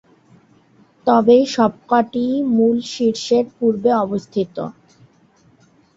তবে সবক’টিই মূল শীর্ষের পূর্বে অবস্থিত।